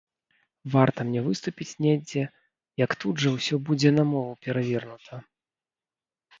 Варта мне выступіць недзе, як тут жа ўсё будзе на мову перавернута.